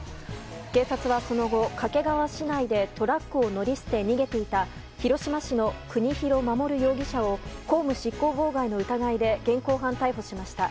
警察はその後、掛川市内でトラックを乗り捨て逃げていた広島市の国広守容疑者を公務執行妨害の疑いで現行犯逮捕しました。